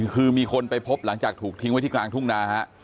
คือมีคนไปพบหลังจากถูกทิ้งไว้ที่กลางทุ่งนาฮะ